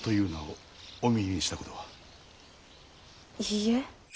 いいえ。